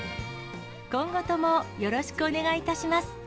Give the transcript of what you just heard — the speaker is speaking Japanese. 今後ともよろしくお願いいたします！